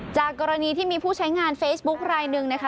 จากกรณีที่มีผู้ใช้งานเฟซบุ๊คลายหนึ่งนะคะ